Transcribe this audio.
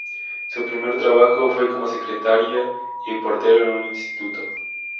Su primer trabajo fue como secretaria y portero en un instituto.